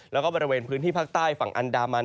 แล้วก็บริเวณพื้นที่ภาคใต้ฝั่งอันดามัน